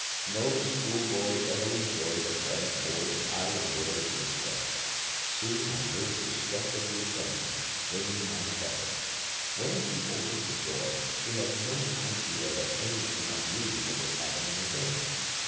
No schoolboy ever enjoyed a prank more than I enjoyed this one. Soon I heard the step of the attendant, bringing my supper. When he opened the door, he had no idea that anything unusual was happening within.